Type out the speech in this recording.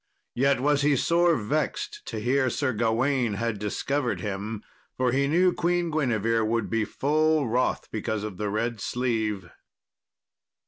Yet was he sore vexed to hear Sir Gawain had discovered him, for he knew Queen Guinevere would be full wroth because of the red sleeve.